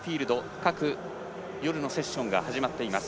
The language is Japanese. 各夜のセッションが始まっています。